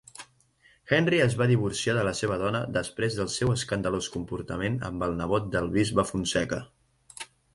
Henry es va divorciar de la seva dona després del seu escandalós comportament amb el nebot del bisbe Fonseca.